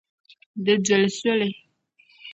Di doli soli.